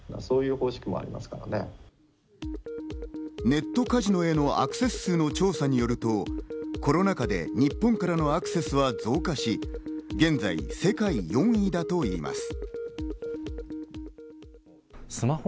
ネットカジノへのアクセス数の調査によると、コロナ禍で日本からのアクセスは増加し、現在、世界４位だといいます。